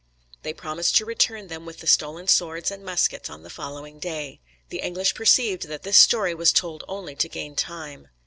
They promised to return them with the stolen swords and muskets on the following day. The English perceived that this story was told only to gain time.